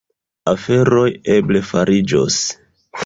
Aferoj eble fariĝos.